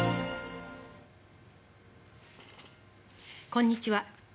こんにちは。